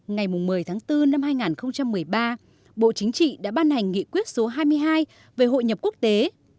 ngày một mươi tháng bốn năm hai nghìn một mươi ba bộ chính trị đã ban hành nghị quyết số hai mươi hai về hội nhập quốc tế